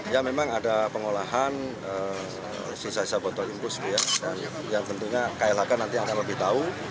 ya memang ada pengolahan sisa sisa botol impus yang tentunya klhk nanti akan lebih tahu